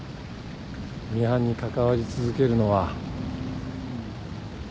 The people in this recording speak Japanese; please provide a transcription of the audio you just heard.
ミハンに関わり続けるのは。